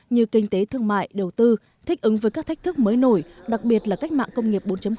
như kinh tế thương mại đầu tư thích ứng với các thách thức mới nổi đặc biệt là cách mạng công nghiệp bốn